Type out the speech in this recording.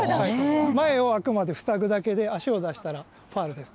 前をあくまで塞ぐだけで、足を出したらファウルです。